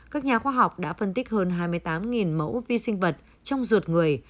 các nhà khoa học đã phân tích hơn hai mươi tám mẫu vi sinh vật trong ruột người